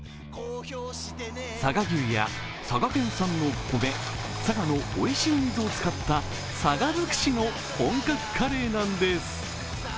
佐賀牛や佐賀県産の米、佐賀のおいしい水を使った佐賀尽くしの本格カレーなんです。